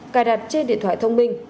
cài đặt trên điện thoại thông minh